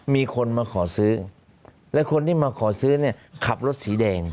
มีคนมาขอซื้อและคนที่มาขอซื้อเนี่ยขับรถสีแดง